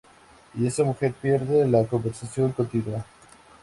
Y si esa mujer pierde, la conversación continúa.